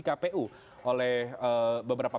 kpu oleh beberapa